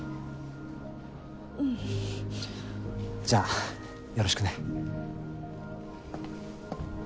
じゃあよろしくね。